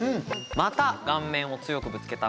また顔面を強くぶつけた。